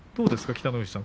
北の富士さん